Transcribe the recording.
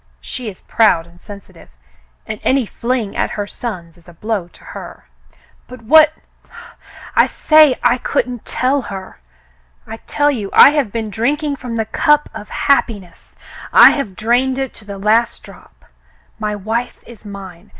She is proud and sensitive, and any fling at her sons is a blow to her." "But what —" *'I say I couldn't tell her. I tell you I have been drink ing from the cup of happiness. I have drained it to the last drop. My wife is mine.